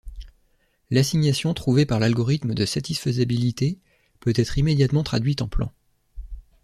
L'assignation trouvée par l'algorithme de satisfaisabilité peut être immédiatement traduite en plan.